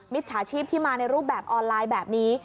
จฉาชีพที่มาในรูปแบบออนไลน์แบบนี้